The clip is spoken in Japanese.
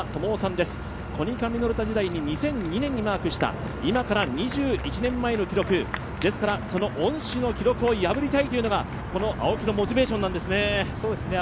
コニカミノルタ時代に２００２年にマークした今から２１年前の記録、ですから恩師の記録を破りたいというのが青木のモチベーションなんですね。